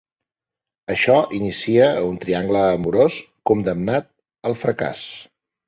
Això inicia un triangle amorós condemnat al fracàs.